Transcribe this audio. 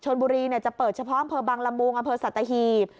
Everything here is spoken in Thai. ชนบุรีเนี่ยจะเปิดเฉพาะอำเภอบางละมูลอำเภอสัตว์ตาหีพ